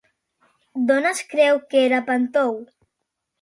D'on es creu que era Pàntou?